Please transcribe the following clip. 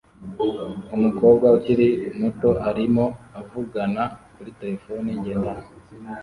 Umukobwa ukiri muto arimo avugana kuri terefone ngendanwa